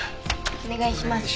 お願いします。